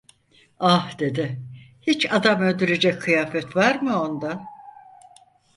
"Ah" dedi, "hiç adam öldürecek kıyafet var mı onda!"